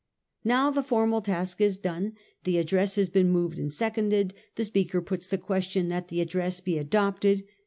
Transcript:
Now the formal task is done. The address has been moved and seconded. The Speaker puts the question that the address be adopted.